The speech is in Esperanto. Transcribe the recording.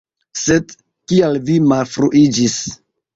Sed kial vi malfruiĝis?